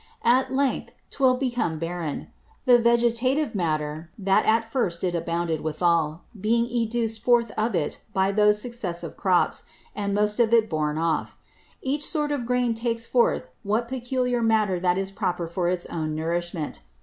At length 'twill become barren; the Vegetative Matter, that at first it abounded withal, being educed forth of it by those successive Crops, and most of it born off. Each sort of Grain takes forth that peculiar Matter that is proper for its own Nourishment.